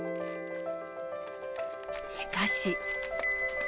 しかし。